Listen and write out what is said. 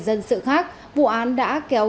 dân sự khác vụ án đã kéo